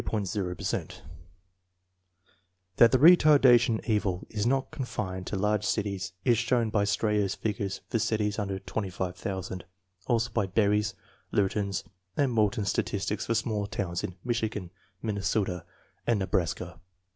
percent That the retardation evil is not confined to large cities is shown by Strayer's figures for cities under 25,000; also fey Berry's, Lurton's, and Morton's statis tics for small towns in Michigan, Minnesota, and Ne braska.